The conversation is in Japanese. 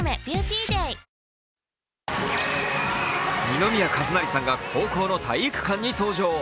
二宮和也さんが高校の体育館に登場。